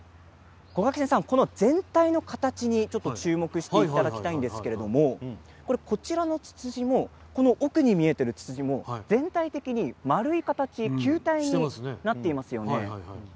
全体の形に注目していただきたいんですけれどもこちらのツツジも奥に見えているツツジも全体的に丸い形していますよね。